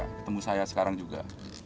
ketemu saya sekarang juga